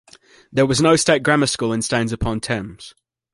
There was no state Grammar School in Staines-upon-Thames.